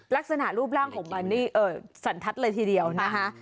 ลักษณะรูปร่างของมันนี่สันทัศน์เลยทีเดียวนะคะ